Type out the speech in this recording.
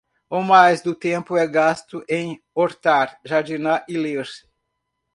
O mais do tempo é gasto em hortar, jardinar e ler